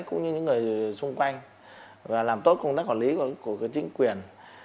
cũng như những người xung quanh và làm tốt công tác quản lý của chính quyền